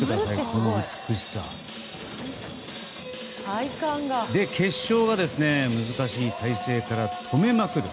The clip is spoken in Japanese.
そして決勝は難しい体勢から止めまくる。